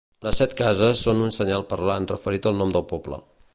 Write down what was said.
Les set cases són un senyal parlant referit al nom del poble.